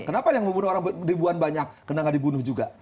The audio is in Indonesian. kenapa yang membunuh orang ribuan banyak karena tidak dibunuh juga